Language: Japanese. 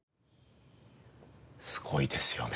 すごいですよね。